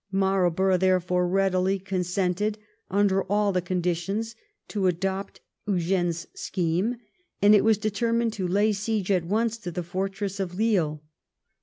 Marlborough, therefore, readily consented imder all the conditions to adopt Eugene's scheme, and it was determined to lay siege at once to the fortress of Lille.